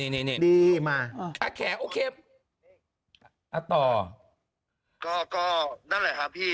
นั่นแหละคราวพี่